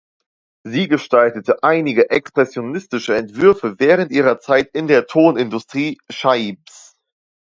Sie gestaltete einige expressionistische Entwürfe während ihrer Zeit in der Tonindustrie Scheibbs.